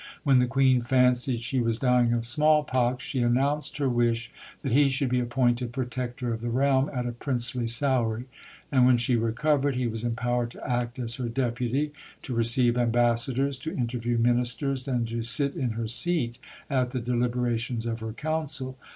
When the Queen fancied she was dying of small pox she announced her wish that he should be appointed Protector of the Realm at a princely salary; and, when she recovered, he was empowered to act as her deputy to receive ambassadors, to interview ministers, and to sit in her seat at the deliberations of her council.